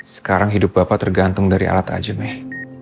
sekarang hidup bapak tergantung dari alat aja meh